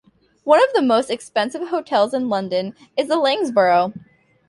One of the most expensive hotels in London is The Lanesborough.